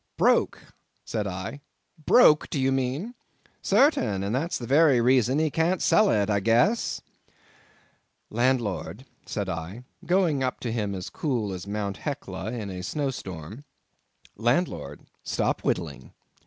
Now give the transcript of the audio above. "Broke," said I—"broke, do you mean?" "Sartain, and that's the very reason he can't sell it, I guess." "Landlord," said I, going up to him as cool as Mt. Hecla in a snow storm—"landlord, stop whittling.